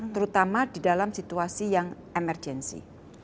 terutama di dalam situasi yang emergensi